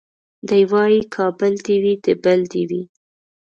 دی وايي کابل دي وي د بل دي وي